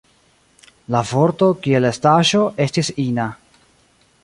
La vorto, kiel la estaĵo, estis ina.